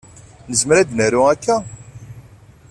Nezmer ad naru akka?